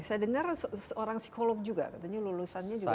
saya dengar seorang psikolog juga katanya lulusannya juga